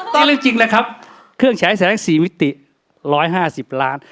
ตอนนี้จริงนะครับเครื่องฉายแสง๔วิติ๑๕๐ล้าน